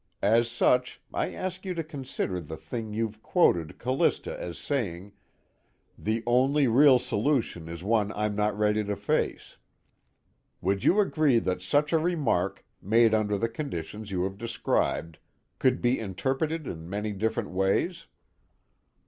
As such, I ask you to consider the thing you've quoted Callista as saying: 'The only real solution is one I'm not ready to face.' Would you agree that such a remark, made under the conditions you have described, could be interpreted in many different ways?"